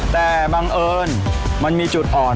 แต่บังเอิญมันมีจุดอ่อน